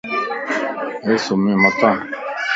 اي سمين متان